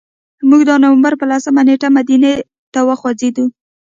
موږ د نوامبر په لسمه نېټه مدینې ته وخوځېدو.